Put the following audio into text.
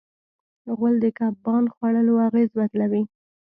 غول د کبان خوړلو اغېز بدلوي.